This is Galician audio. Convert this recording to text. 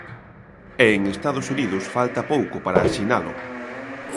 E en Estados Unidos falta pouco para asinalo.